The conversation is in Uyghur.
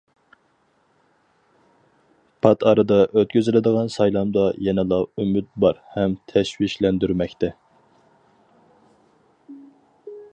پات ئارىدا ئۆتكۈزۈلىدىغان سايلامدا يەنىلا ئۈمىد بار ھەم تەشۋىشلەندۈرمەكتە.